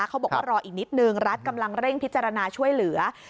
เขาบอกว่ารออีกนิดนึงรัฐกำลังเร่งพิจารณาช่วยเหลือ